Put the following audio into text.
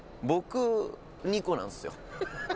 僕２個なんですよ」